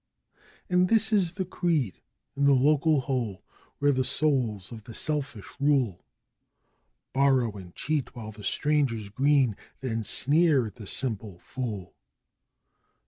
And this is the creed in the local hole, where the souls of the selfish rule; Borrow and cheat while the stranger's green, then sneer at the simple fool.